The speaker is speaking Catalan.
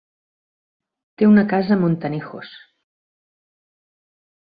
Té una casa a Montanejos.